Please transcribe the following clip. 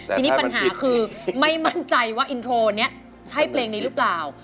ทีนี้ปัญหาคือไม่มั่นใจว่าอินโทรนี้ใช่เพลงนี้หรือเปล่า